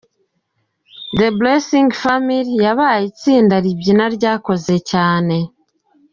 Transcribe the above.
The Blessing Family yabaye itsinda ribyina ryakoze cyane.